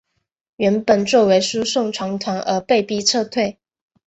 原本作为输送船团而被逼撤退。